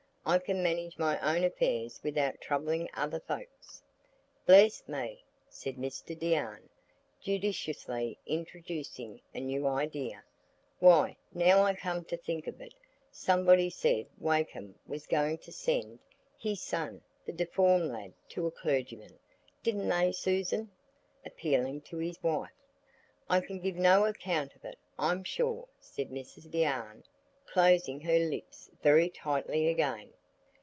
I can manage my own affairs without troubling other folks." "Bless me!" said Mr Deane, judiciously introducing a new idea, "why, now I come to think of it, somebody said Wakem was going to send his son—the deformed lad—to a clergyman, didn't they, Susan?" (appealing to his wife). "I can give no account of it, I'm sure," said Mrs Deane, closing her lips very tightly again.